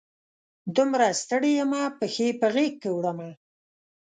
دومره ستړي یمه، پښې په غیږ کې وړمه